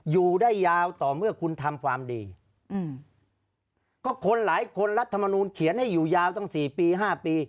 อยู่ได้ยาวต่อเมื่อคุณทำความดีอืมก็คนหลายคนรัฐมนูลเขียนให้อยู่ยาวตั้งสี่ปีห้าปี